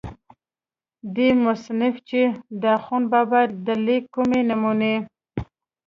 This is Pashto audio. دې مصنف چې دَاخون بابا دَليک کومې نمونې